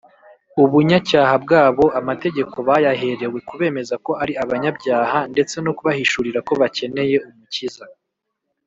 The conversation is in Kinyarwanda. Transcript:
ubunyacyaha bwabo amategeko bayaherewe kubemeza ko ari abanyabyaha ndetse no kubahishurira ko bakeneye umukiza